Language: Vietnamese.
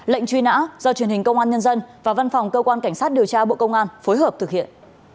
lệnh truy nã do truyền hình công an nhân dân và văn phòng cơ quan cảnh sát điều tra bộ công an phối hợp thực hiện